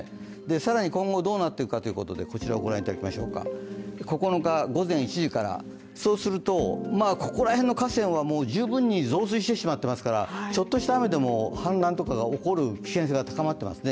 更に今後どうなっていくかということで、９日午前７時から、そうするとここら辺の河川は十分に増水してしまっていますから、ちょっとした雨でも氾濫が起こる危険性が高まっています。